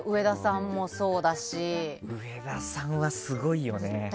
上田さんはすごいよね。